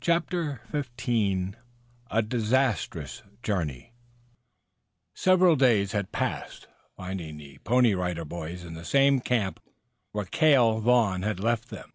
CHAPTER XV A DISASTROUS JOURNEY Several days had passed, finding the Pony Rider Boys in the same camp where Cale Vaughn had left them.